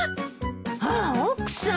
ああ奥さん。